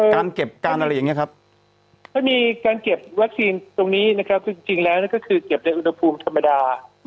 การเก็บวัคซีนนี้ก็คือเก็บบนุภูมิธรรมดา